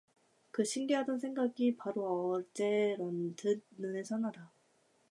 그 신기하던 생각이 바로 어제런 듯 눈에 선하다.